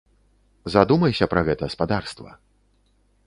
Задумайся пра гэта, спадарства.